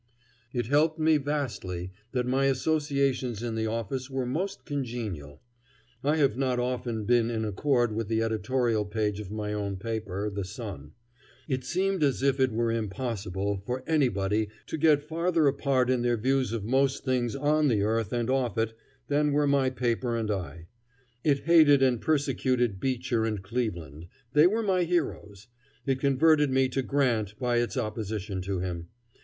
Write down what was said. It helped me vastly that my associations in the office were most congenial. I have not often been in accord with the editorial page of my own paper, the Sun. It seemed as if it were impossible for anybody to get farther apart in their views of most things on the earth and off it than were my paper and I. It hated and persecuted Beecher and Cleveland; they were my heroes. It converted me to Grant by its opposition to him.